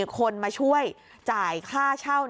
คนมาช่วยจ่ายค่าเช่า